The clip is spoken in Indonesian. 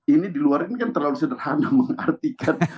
ini diluarkan kan terlalu sederhana mengartikan